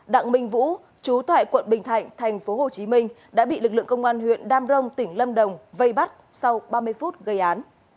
đặng minh vũ chú tại quận bình thạnh tp hcm đã bị lực lượng công an huyện đam rông tỉnh lâm đồng vây bắt sau ba mươi phút gây án